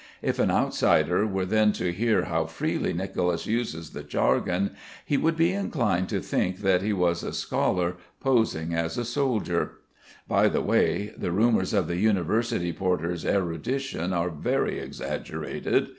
If an outsider were then to hear how freely Nicolas uses the jargon, he would be inclined to think that he was a scholar, posing as a soldier. By the way, the rumours of the university porter's erudition are very exaggerated.